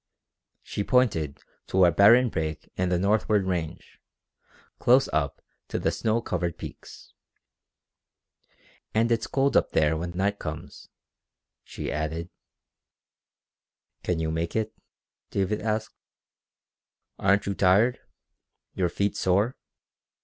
She pointed to a barren break in the northward range, close up to the snow covered peaks. "And it's cold up there when night comes," she added. "Can you make it?" David asked. "Aren't you tired? Your feet sore?